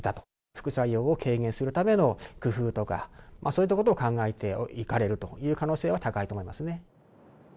副作用を軽減するための工夫とか、そういったことを考えていかれるという可能性は高いと思いますね。